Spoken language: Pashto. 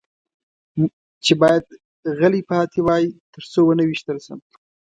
چې باید غلی پاتې وای، تر څو و نه وېشتل شم.